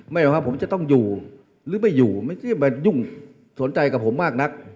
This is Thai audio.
ไม่ว่าผมจะต้องอยู่หรือไม่อยู่มันยุ่งสนใจกับผมมากนัก